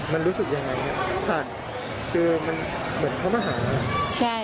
มันรู้สึกยังไงนะผ่านคือเหมือนเขามาหานะ